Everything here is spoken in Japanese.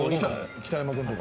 北山君とか。